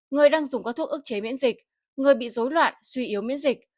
người đang dùng các thuốc ức chế biến dịch người bị dối loạn suy yếu miễn dịch